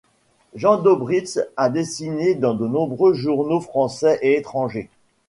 Jean Dobritz a dessiné dans de nombreux journaux français et étrangers.